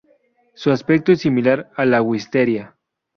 Su aspecto es similar a la "Wisteria".